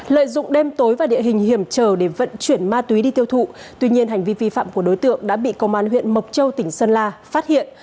lợi dụng đêm tối và địa hình hiểm trở để vận chuyển ma túy đi tiêu thụ tuy nhiên hành vi vi phạm của đối tượng đã bị công an huyện mộc châu tỉnh sơn la phát hiện